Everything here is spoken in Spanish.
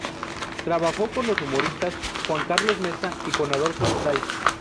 Trabajó con los humoristas Juan Carlos Mesa y con Adolfo Stray.